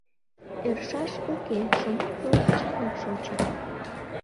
Ӧршаш уке, шомак-влак чынак шочыт.